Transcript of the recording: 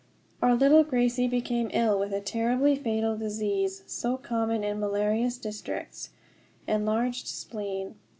Our little Gracie became ill with a terribly fatal disease, so common in malarious districts enlarged spleen.